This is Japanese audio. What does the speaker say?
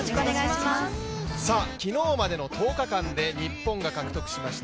昨日までの１０日間で日本が獲得しました